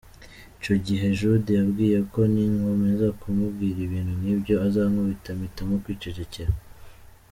Icyo gihe Jude yambwiye ko ninkomeza kumubwira ibintu nk’ibyo azankubita, mpitamo kwicecekera.